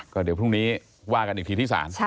ก็เดี๋ยวพรุ่งนี้ว่ากันอีกทีที่ศาล